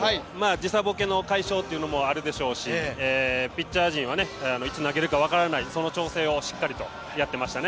時差ぼけの解消もあるでしょうしピッチャー陣はいつ投げるか分からない、その調整をしっかりとやっていましたね。